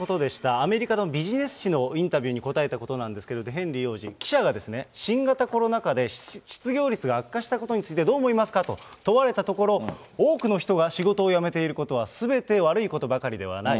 アメリカのビジネス誌のインタビューに答えたことなんですけれども、ヘンリー王子、記者がですね、新型コロナ禍で失業率が悪化したことについて、どう思いますかと問われたところ、多くの人が仕事を辞めていることはすべて悪いことばかりではない。